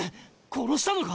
殺したのか？